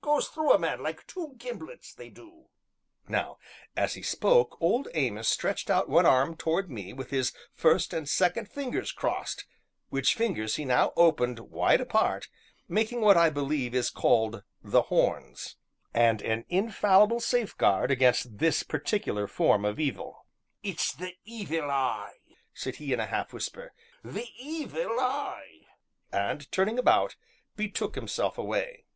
goes through a man like two gimblets, they do!" Now, as he spoke, Old Amos stretched out one arm towards me with his first and second fingers crossed: which fingers he now opened wide apart, making what I believe is called "the horns," and an infallible safeguard against this particular form of evil. "It's the 'Evil Eye,'" said he in a half whisper, "the 'Evil Eye'!" and, turning about, betook himself away.